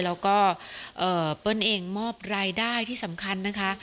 แล้วก็เปิ้ลเองมอบรายได้ที่สำคัญนะคะ